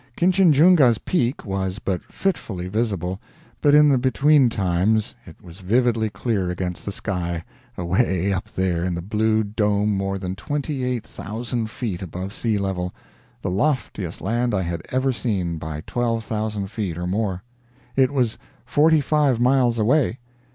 Kinchinjunga's peak was but fitfully visible, but in the between times it was vividly clear against the sky away up there in the blue dome more than 28,000 feet above sea level the loftiest land I had ever seen, by 12,000 feet or more. It was 45 miles away.